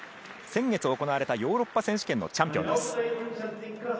先月行われたヨーロッパ選手権のチャンピオンです。